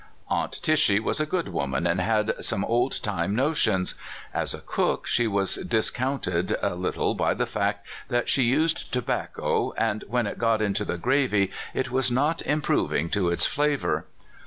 Aunt Tishy was a good woman, and had some old time notions. As a cook, she was discounted a lit tle by the fact that she used tobacco, and when it got into the gravy it was not improving to its flavor.